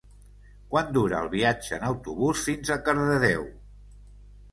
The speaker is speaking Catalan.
Quant dura el viatge en autobús fins a Cardedeu?